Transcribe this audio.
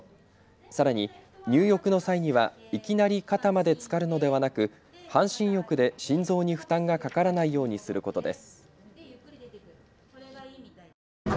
さらに入浴の際にはいきなり肩までつかるのではなく半身浴で心臓に負担がかからないようにすることです。